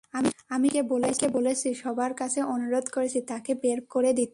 আমি সবাইকে বলেছি, সবার কাছে অনুরোধ করেছি তাঁকে বের করে দিতে।